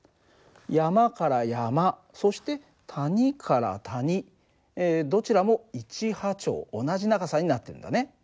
山から山そして谷から谷どちらも１波長同じ長さになってるんだね。